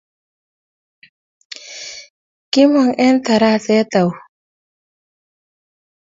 Kimong eng taraset au?